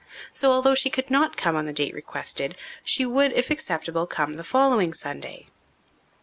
So, although she could not come on the date requested, she would, if acceptable, come the following Sunday.